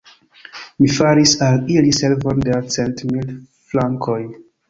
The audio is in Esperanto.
Mi faris al ili servon da cent mil frankoj!